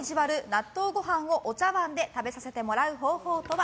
納豆ご飯をお茶わんで食べさせてもらう方法とは？